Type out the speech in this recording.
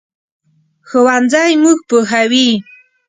ښوونځی موږ پوهوي